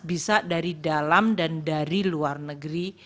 bisa dari dalam dan dari luar negeri